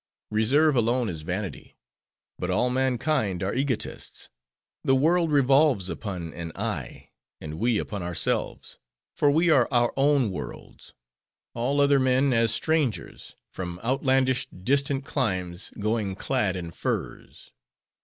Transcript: Reserve alone is vanity. But all mankind are egotists. The world revolves upon an I; and we upon ourselves; for we are our own worlds:—all other men as strangers, from outlandish, distant climes, going clad in furs.